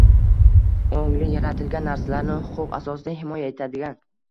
ongli, yaratilgan narsalarni huquq asosida himoya etadigan